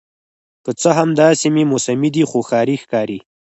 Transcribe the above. که څه هم دا سیمې موسمي دي خو ښاري ښکاري